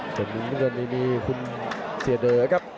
เป็นรุ่นเรียนดีคุณเซียเดอร์ครับ